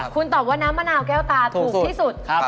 คุณตอบว่าน้ำมะนาวแก้วตาถูกที่สุด